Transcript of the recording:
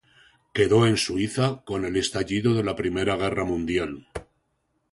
Quedó en Suiza con el estallido de la Primera Guerra Mundial.